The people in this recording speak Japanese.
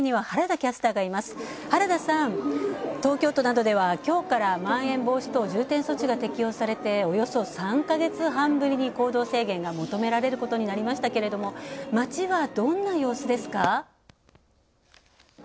原田さん、東京都などではきょうからまん延防止等重点措置が適用されておよそ３か月ぶりに行動制限が求められることになりましたけれど街は、どんな様子ですか？